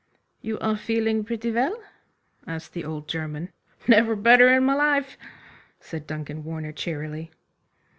"You are feeling pretty well?" asked the old German. "Never better in my life," said Duncan Warner cheerily.